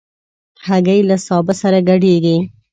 هګۍ له سابه سره ګډېږي.